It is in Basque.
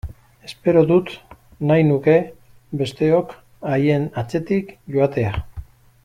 Espero dut, nahi nuke, besteok haien atzetik joatea!